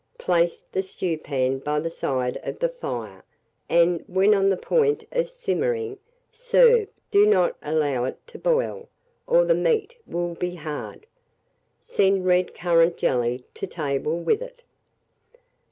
Place the stewpan by the side of the fire, and, when on the point of simmering, serve: do not allow it to boil, or the meat will be hard. Send red currant jelly to table with it.